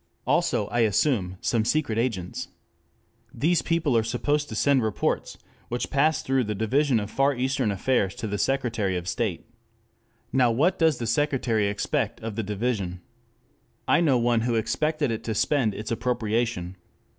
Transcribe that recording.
Also, I assume, some secret agents. These people are supposed to send reports which pass through the Division of Far Eastern Affairs to the Secretary of State. Now what does the Secretary expect of the Division? I know one who expected it to spend its appropriation.